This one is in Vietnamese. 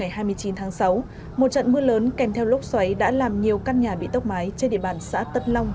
vào khoảng một mươi năm h ba mươi phút ngày hai mươi chín tháng sáu một trận mưa lớn kèm theo lốc xoáy đã làm nhiều căn nhà bị tốc mái trên địa bàn xã tất long